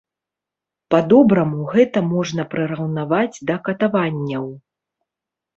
Па-добраму, гэта можна прыраўнаваць да катаванняў.